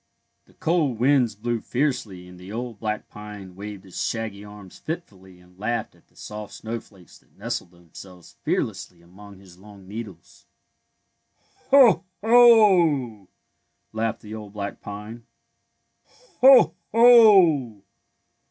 The cold winds blew fiercely and the old black pine waved his shaggy arms fitfully and laughed at the soft snowflakes that nestled themselves fearlessly among his long needles. '^ Ho! Ho! '' laughed the old black pine. '' Ho! Ho!